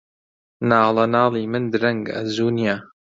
ناڵەناڵی من درەنگە، زوو نییە